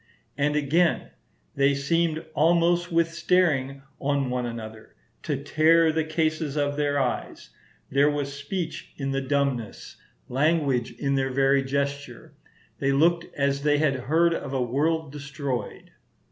And again, "They seemed almost, with staring on one another, to tear the cases of their eyes; there was speech in the dumbness, language in their very gesture; they looked as they had heard of a world destroyed."